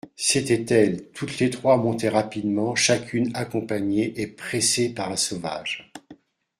C'étaient elles ! toutes les trois montaient rapidement, chacune accompagnée et pressée par un sauvage.